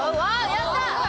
やった！